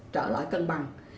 trở lại cân bằng